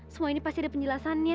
semua ini pasti ada penjelasannya